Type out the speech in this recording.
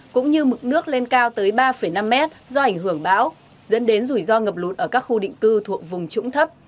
cũng như mực nước lên cao tới ba năm m do ảnh hưởng bão dẫn đến rủi ro ngập lụt ở các khu định cư thuộc vùng trũng thấp